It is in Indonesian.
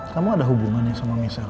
kamu ada hubungannya sama misal